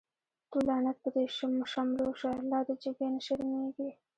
تو لعنت په دی شملو شه، لا دی جګی نه شرميږی